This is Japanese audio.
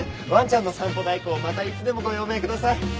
ワンちゃんの散歩代行またいつでもご用命ください。